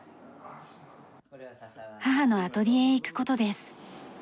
母のアトリエへ行く事です。